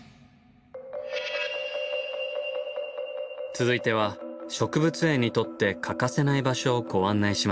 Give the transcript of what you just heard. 続いては植物園にとって欠かせない場所をご案内しましょう。